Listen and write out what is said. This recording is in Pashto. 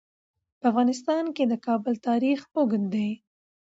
په افغانستان کې د کابل تاریخ اوږد دی.